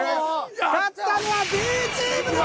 勝ったのはＢチームの勝利！